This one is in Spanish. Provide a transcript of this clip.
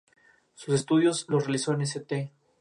Sus estudios los realizó en St.